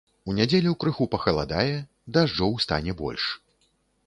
У нядзелю крыху пахаладае, дажджоў стане больш.